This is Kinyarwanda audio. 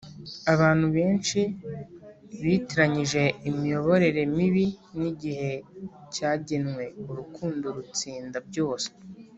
abantu benshi bitiranyije imiyoborere mibi nigihe cyagenweurukundo rutsinda byose